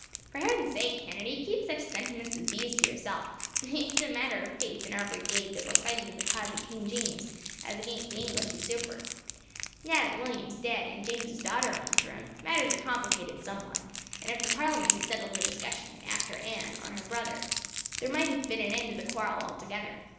"For heaven's sake, Kennedy, keep such sentiments as these to yourself. It is a matter of faith, in our brigade, that we are fighting in the cause of King James, as against the English usurper. Now that William is dead, and James's daughter on the throne, matters are complicated somewhat; and if the Parliament had settled the succession, after Anne, on her brother, there might have been an end of the quarrel altogether.